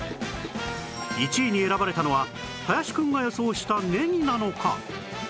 １位に選ばれたのは林くんが予想したねぎなのか？